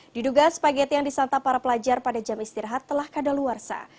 diduga spageti yang disantap para pelajar pada jam istirahat telah kadaluarsa